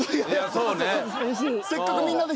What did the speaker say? そうね